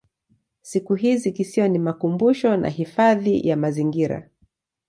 Siku hizi kisiwa ni makumbusho na hifadhi ya mazingira.